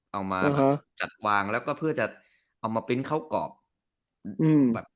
เอามาจัดวางแล้วก็เพื่อจะเอามาปริ้นต์เข้ากรอบอืมแบบ